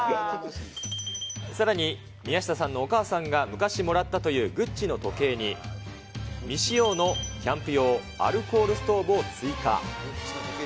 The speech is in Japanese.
さらに宮下さんのお母さんが昔もらったというグッチの時計に、未使用のキャンプ用アルコールストーブを追加。